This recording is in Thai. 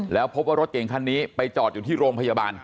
แล้วพบว่ารถเก่งคันนี้ไปจอดอยู่ที่โรงพยาบาล